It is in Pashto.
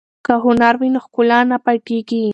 که هنر وي نو ښکلا نه پټیږي.